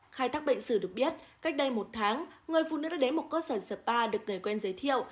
khai thác bệnh sử được biết cách đây một tháng người phụ nữ đã đến một cơ sở spa được người quen giới thiệu